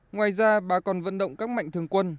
ngoài ra bà còn vận động các mạnh thường quân